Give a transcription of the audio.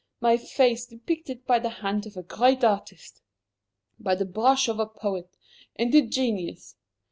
My face depicted by the hand of a great artist! by the brush of a poet, and a genius!